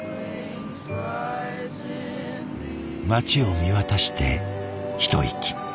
街を見渡して一息。